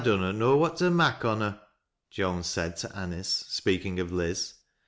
mnot know what to mak' on her," Joan said 1< Anice, speaking of Liz.